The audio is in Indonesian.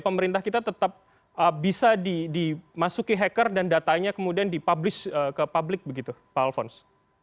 pemerintah kita tetap bisa dimasuki hacker dan datanya kemudian dipublish ke publik begitu pak alfons